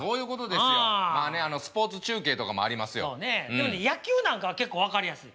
でも野球なんかは結構分かりやすい。